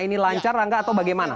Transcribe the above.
ini lancar rangga atau bagaimana